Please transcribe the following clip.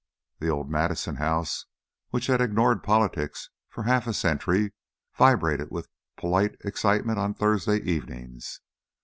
The old Madison house, which had ignored politics for half a century, vibrated with polite excitement on Thursday evenings.